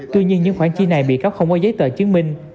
tuy nhiên những khoản chi này bị cáo không có giấy tờ chứng minh